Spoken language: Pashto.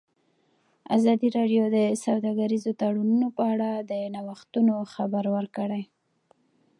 ازادي راډیو د سوداګریز تړونونه په اړه د نوښتونو خبر ورکړی.